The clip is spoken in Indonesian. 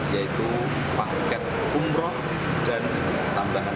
yaitu paket kumroh dan tambahan uang